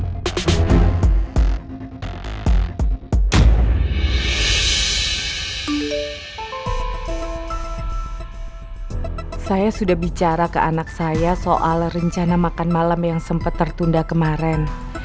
saya sudah bicara ke anak saya soal rencana makan malam yang sempat tertunda kemarin